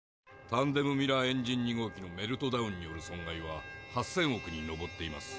タンデム・ミラーエンジン２号機のメルトダウンによる損害は８，０００億に上っています。